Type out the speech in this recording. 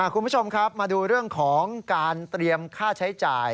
คุณผู้ชมครับมาดูเรื่องของการเตรียมค่าใช้จ่าย